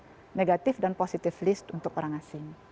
jadi kita harus memiliki negatif dan positif list untuk orang asing